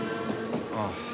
ああ。